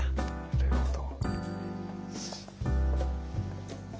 なるほど。